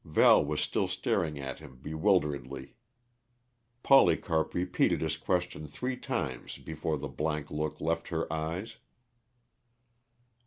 Val was still staring at him bewilderedly. Polycarp repeated his question three times before the blank look left her eyes.